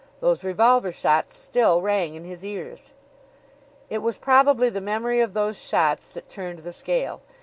Those revolver shots still rang in his ears. It was probably the memory of those shots that turned the scale.